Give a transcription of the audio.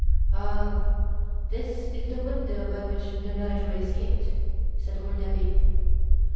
"Ah! This is the window by which the murderer escaped!" said Rouletabille.